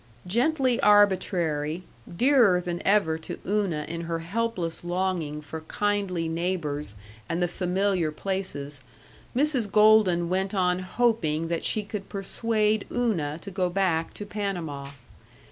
Gently arbitrary, dearer than ever to Una in her helpless longing for kindly neighbors and the familiar places, Mrs. Golden went on hoping that she could persuade Una to go back to Panama.